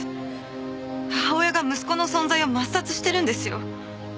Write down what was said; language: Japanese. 母親が息子の存在を抹殺してるんですよ。